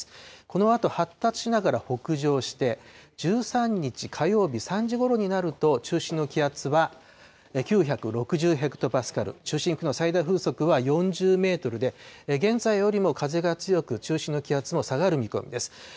このあと発達しながら北上して、１３日火曜日３時ごろになると、中心の気圧は９６０ヘクトパスカル、中心付近の最大風速は４０メートルで、現在よりも風が強く、中心の気圧も下がる見込みです。